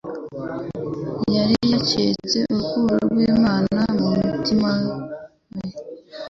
Yari akencye urukundo rw'Imana mu mutima we.